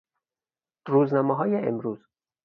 روزنامههای امروز